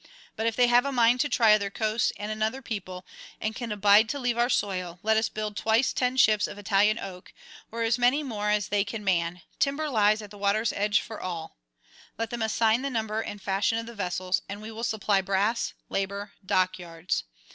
But if they have a mind to try other coasts and another people, and can abide to leave our soil, let us build twice ten ships of Italian oak, or as many more as they can man; timber lies at the water's edge for all; let them assign the number and fashion of the vessels, and we will supply brass, labour, dockyards.